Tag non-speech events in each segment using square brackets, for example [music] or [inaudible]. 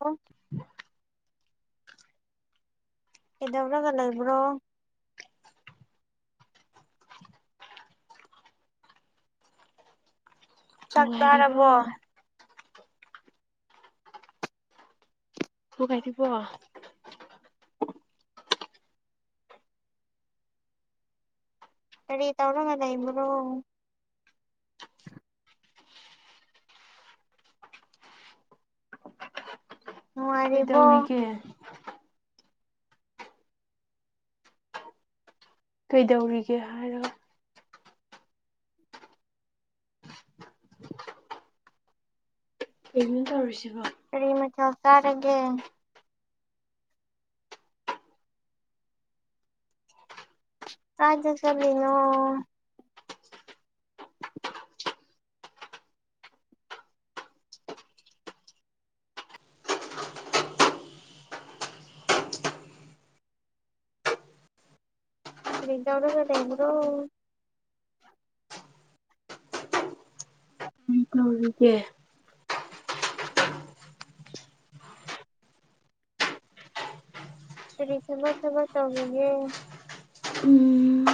ꯑꯣ [unintelligible] ꯀꯩꯗꯧꯔꯒ ꯂꯩꯕ꯭ꯔꯣ ꯆꯥꯛ ꯅꯨꯡꯉꯥꯏꯔꯤꯕꯣ ꯆꯥꯔꯕꯣ [unintelligible] ꯀꯔꯤ ꯇꯧꯔꯒ ꯂꯩꯕ꯭ꯔꯣ ꯅꯨꯡꯉꯥꯏꯔꯤꯕꯣ ꯀꯩꯗꯧꯔꯤꯒꯦ ꯀꯩꯗꯧꯔꯤꯒꯦ ꯍꯥꯏꯔ ꯀꯩꯅꯣ ꯇꯧꯔꯤꯁꯤꯕꯣ ꯀꯔꯤ ꯃꯊꯦꯜ ꯆꯥꯔꯒꯦ ꯀꯔꯥꯏꯗ ꯆꯠꯂꯤꯅꯣ ꯀꯔꯤ ꯇꯧꯔꯒ ꯂꯩꯕ꯭ꯔꯣ ꯇꯨꯝꯒꯦ [unintelligible] ꯀꯔꯤ ꯊꯕꯛ ꯊꯕꯛ ꯇꯧꯔꯤꯒꯦ ꯎꯝ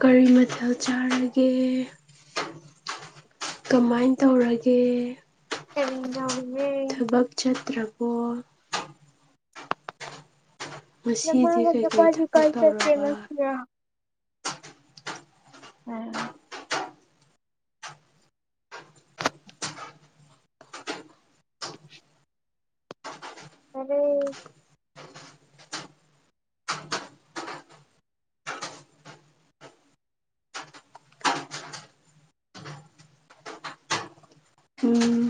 ꯀꯔꯤ ꯃꯊꯦꯜ ꯆꯥꯔꯒꯦ ꯀꯃꯥꯏꯟ ꯇꯧꯔꯒꯦ ꯀꯔꯤꯅꯣ ꯊꯕꯛ ꯆꯠꯇ꯭ꯔꯕꯣ ꯉꯁꯤꯗꯤ ꯅꯃꯥꯒ ꯀꯩꯀꯩ ꯅꯄꯤꯒ ꯊꯕꯛ ꯀꯥꯏ ꯆꯠꯀꯦ ꯇꯧꯔꯕ ꯅꯪꯅ ꯑꯥ [unintelligible] ꯐꯔꯦ ꯎꯝ